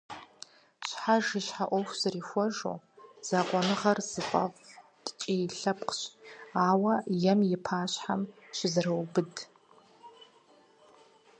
Щхьэж и щхьэ Ӏуэху зэрихуэжу, закъуэныгъэр зыфӀэфӀ ткӀий лъэпкъщ, ауэ ем и пащхьэм щызэроубыд.